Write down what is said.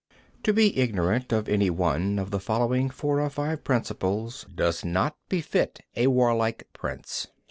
53. To be ignorant of any one of the following four or five principles does not befit a warlike prince.